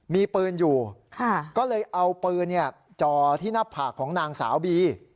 มีปืนอยู่ก็เลยเอาปืนจ่อที่หน้าผากของนางสาวบี